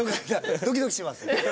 ドキドキします。